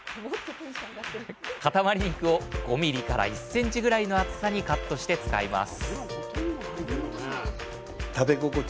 塊肉を５ミリから１センチぐらいの厚さにカットして使います